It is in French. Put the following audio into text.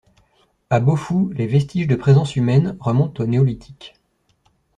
À Beaufou les vestiges de présence humaine remontent au néolithique.